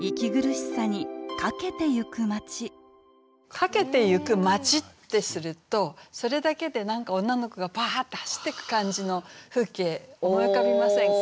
「駆けてゆく街」ってするとそれだけで何か女の子がバーッて走ってく感じの風景思い浮かびませんか？